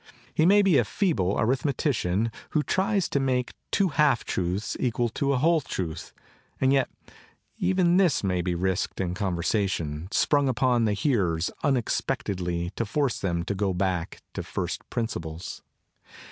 He may be a feeble arithmetician who tries to make two half truths equal a whole truth; and yet even this may be risked in conversation, sprung upon the hearers unexpectedly, to force them to go back to first principles.